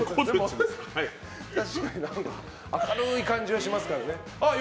確かに明るい感じはしますからね。